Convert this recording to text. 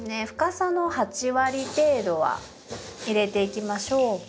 深さの８割程度は入れていきましょう。